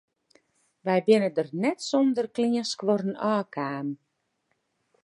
Wy binne der net sûnder kleanskuorren ôfkaam.